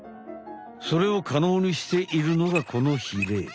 それをかのうにしているのがこのヒレ。